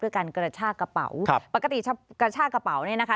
การกระชากระเป๋าครับปกติกระชากกระเป๋าเนี่ยนะคะ